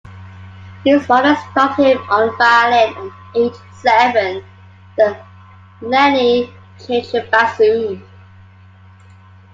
His father started him on violin at age seven, then Lennie changed to bassoon.